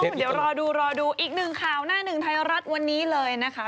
เดี๋ยวรอดูรอดูอีกหนึ่งข่าวหน้าหนึ่งไทยรัฐวันนี้เลยนะคะ